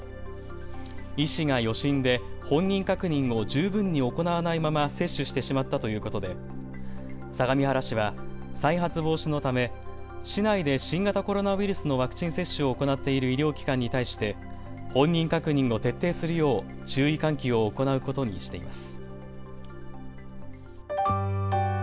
医師が予診で本人確認を十分に行わないまま接種してしまったということで相模原市は再発防止のため市内で新型コロナウイルスのワクチン接種を行っている医療機関に対して本人確認を徹底するよう注意喚起を行うことにしています。